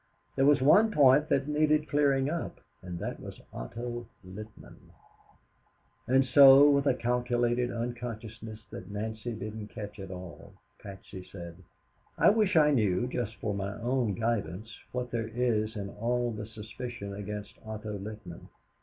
There was one point that needed clearing up, and that was Otto Littman. And so, with a calculated unconsciousness that Nancy didn't catch at all, Patsy said, "I wish I knew, just for my own guidance, what there is in all the suspicion against Otto Littman.